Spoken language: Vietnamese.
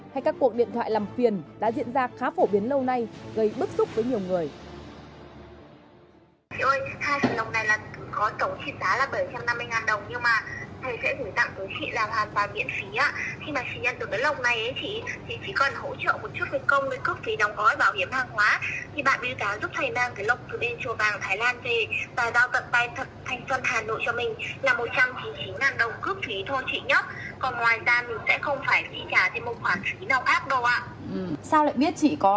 hay các cuộc điện thoại làm phiền đã diễn ra khá phổ biến lâu nay gây bức xúc với nhiều người